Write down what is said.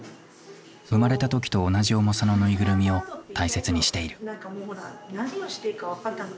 生まれた時と同じ重さのぬいぐるみを大切にしている。